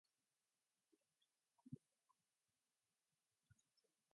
Stats reflect time with the Sabres only.